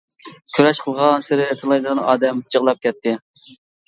كۈرەش قىلغانسېرى تىللايدىغان ئادەم جىقلاپ كەتتى.